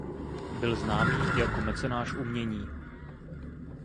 Byl známý i jako mecenáš umění.